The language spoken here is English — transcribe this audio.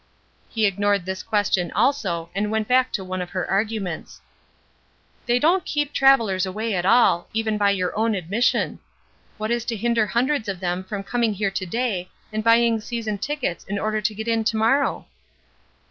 He ignored this question also, and went back to one of her arguments. "They don't keep travelers away at all, even by your own admission. What is to hinder hundreds of them from coming here to day and buying season tickets in order to get in to morrow?"